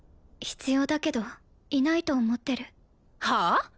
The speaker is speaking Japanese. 必要だけどいないと思ってるはあ？